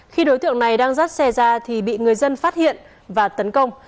khi đối tượng này đang dắt xe ra thì bị người dân phát hiện và tấn công